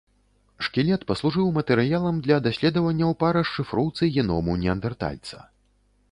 Шкілет паслужыў матэрыялам для даследаванняў па расшыфроўцы геному неандэртальца.